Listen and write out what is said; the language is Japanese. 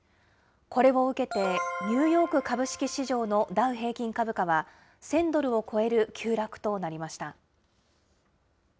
これを受けて、ニューヨーク株式市場のダウ平均株価は、１０００ドルを超える急落となりました。